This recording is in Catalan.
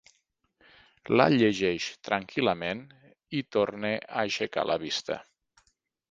La llegeix tranquil·lament i torna a aixecar la vista.